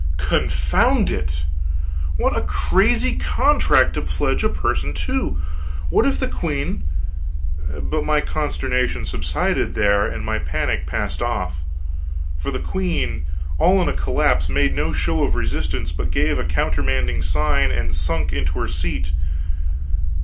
Confound it, what a crazy contract to pledge a person to! What if the queen But my consternation subsided there, and my panic passed off; for the queen, all in a collapse, made no show of resistance but gave a countermanding sign and sunk into her seat.